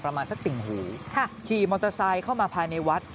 ประมาณสักติ่งหูขี่มอเตอร์ไซค์เข้ามาภายในวัด